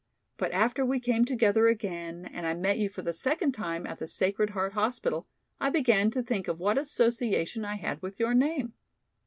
But after we came together again and I met you for the second time at the Sacred Heart Hospital, I began to think of what association I had with your name.